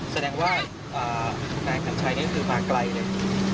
แสดงว่านายกัญชัยนี่คือมาไกลเลย